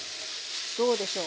どうでしょう？